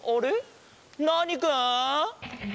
ナーニくん？